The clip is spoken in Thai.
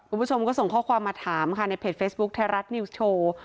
คุณผู้ชมก็ส่งข้อความมาถามค่ะในเพจเฟซบุ๊คไทยรัฐนิวส์โชว์